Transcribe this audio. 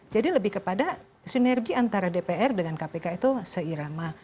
jadi lebih kepada sinergi antara dpr dengan kpk itu seirama